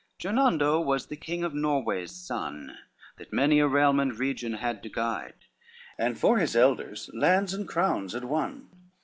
XVI Gernando was the King of Norway's son, That many a realm and region had to guide, And for his elders lands and crowns had won.